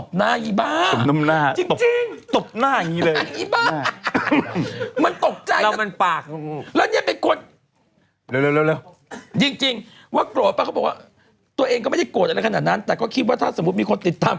เขาบอกว่าตัวเองก็ไม่ได้โกรธอะไรขนาดนั้นแต่ก็คิดว่าถ้าสมมุติมีคนติดตาม